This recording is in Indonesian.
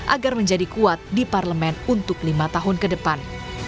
agar menjadi kuat di parlemen untuk lima tahun ke depan